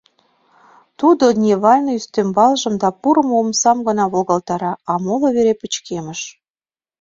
Тудо дневальныйын ӱстембалжым да пурымо омсам гына волгалтара, а моло вере пычкемыш.